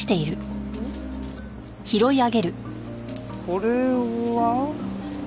これは？